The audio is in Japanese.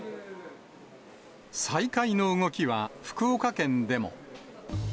再開の動きは福岡県でも。